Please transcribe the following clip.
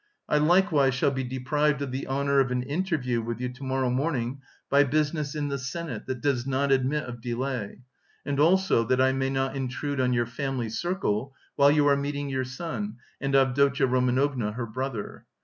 I likewise shall be deprived of the honour of an interview with you to morrow morning by business in the Senate that does not admit of delay, and also that I may not intrude on your family circle while you are meeting your son, and Avdotya Romanovna her brother.